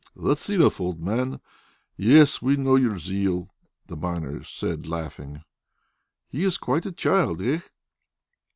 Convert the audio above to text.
"That's enough, old man! Yes, we know your zeal!" said the miners, laughing. "He is quite a child, eh?"